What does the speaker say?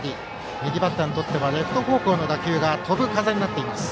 右バッターにとってはレフト方向の打球が飛ぶ風です。